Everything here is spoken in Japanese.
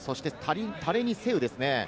タレニ・セウですね。